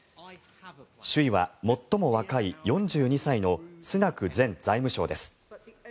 首位は最も若い４２歳のスナク前財務相です。